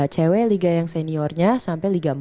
cewek liga yang seniornya sampai liga empat